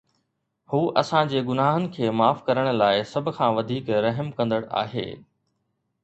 هو اسان جي گناهن کي معاف ڪرڻ لاء سڀ کان وڌيڪ رحم ڪندڙ آهي